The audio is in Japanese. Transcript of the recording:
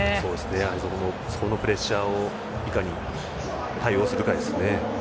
やはり、そこのプレッシャーをいかに対応するかですね。